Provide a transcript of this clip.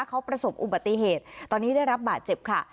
เขาประสบอุบัติเหตุตอนนี้ได้รับบาดเจ็บค่ะ